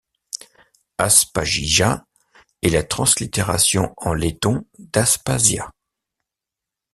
Aspazija est la translittération en letton d'Aspasia.